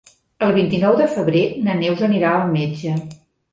El vint-i-nou de febrer na Neus anirà al metge.